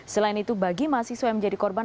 selain itu bagi mahasiswa yang menjadi korban